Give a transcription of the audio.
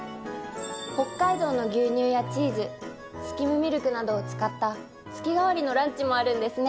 北海道の牛乳やチーズスキムミルクなどを使った月替わりのランチもあるんですね。